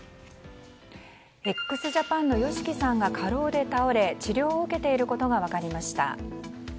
ＸＪＡＰＡＮのＹＯＳＨＩＫＩさんが過労で倒れ治療を受けていることが分かりました。